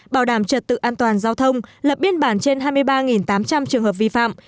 bảo đảm trật tự an toàn giao thông lập biên bản trên hai mươi ba tám trăm linh trường hợp vi phạm